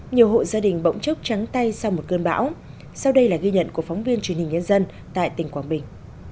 nhiều hộ gia đình bỗng chốc trắng tay sau một cơn bão sau đây là ghi nhận của phóng viên truyền hình nhân dân tại tỉnh quảng bình